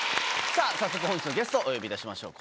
さあ早速本日のゲスト、お呼びいたしましょう。